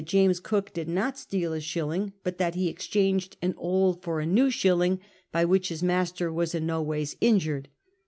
lames Cook did not steal a shilling, but that he exchanged an old for a new shilling, by which his master was in no way injured.